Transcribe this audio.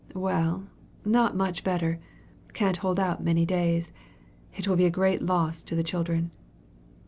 "Well, not much better; can't hold out many days. It will be a great loss to the children."